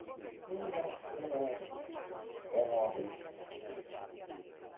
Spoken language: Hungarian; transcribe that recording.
Deborah Ecclestone első házasságából származik.